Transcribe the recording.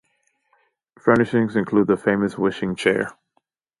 Furnishings include the famous Wishing Chair.